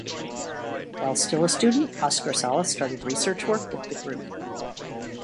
While still a student, Oscar Sala started research work with the group.